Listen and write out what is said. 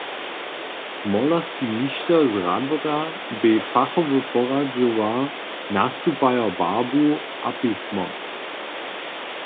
Molerski mišter z Radworja bě fachowy poradźowar nastupajo barbu a pismo.